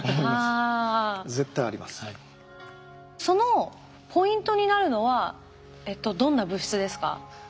そのポイントになるのはどんな物質ですか？